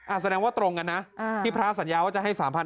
อาจแสดงว่าตรงกันนะอ่าที่พระสัญญาว่าจะให้สามพัน